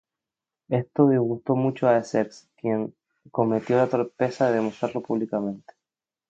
Esto disgustó mucho a Essex, quien cometió la torpeza de demostrarlo públicamente.